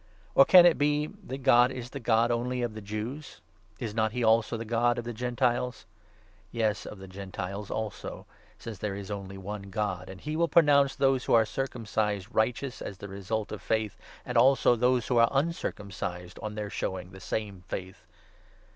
Or can it be that God is the God 29 only of the Jews ? Is not he also the God of the Gentiles ? Yes, of the Gentiles also, since there is only one God, and 30 he will pronounce those who are circumcised righteous as the result of faith, and also those who are uncircumcised on their showing the same faith.